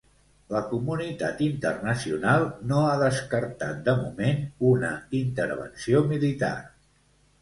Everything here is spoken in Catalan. La comunitat internacional no ha descartat de moment una intervenció militar.